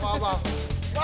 kamu jangan jalan jauh